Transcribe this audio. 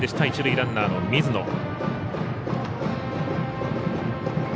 一塁ランナーの水野。